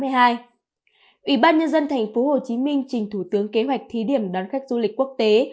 ủy ban nhân dân thành phố hồ chí minh trình thủ tướng kế hoạch thí điểm đón khách du lịch quốc tế